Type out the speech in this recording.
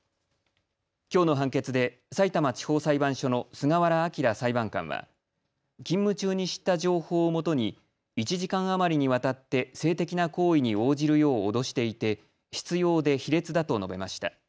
きょうの判決でさいたま地方裁判所の菅原暁裁判官は勤務中に知った情報をもとに１時間余りにわたって性的な行為に応じるよう脅していて執ようで卑劣だと述べました。